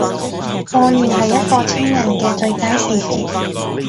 過年係一個清人既最佳時節